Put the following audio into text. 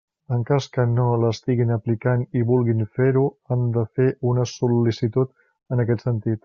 En cas que no l'estiguin aplicant i vulguin fer-ho, han de fer una sol·licitud en aquest sentit.